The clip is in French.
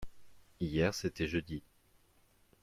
hier c'était jeudi.